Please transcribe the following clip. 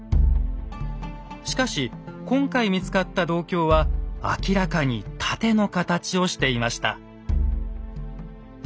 しかし今回見つかった銅鏡は明らかに盾の形をしていました。